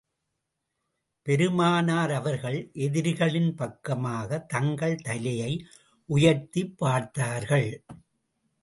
பெருமானார் அவர்கள் எதிரிகளின் பக்கமாக தங்கள் தலையை உயர்த்திப் பார்த்தார்கள்.